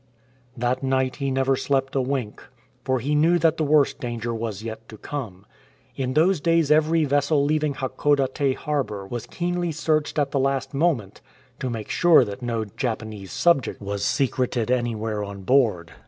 That night he never slept a wink, for he knew that the worst danger was yet to come. In those days every vessel leaving Hakodate harbour was keenly searched at the last moment to make sure that no Japanese subject was secreted 5* A DISCOVERY IN HONG KONG anywhere on board.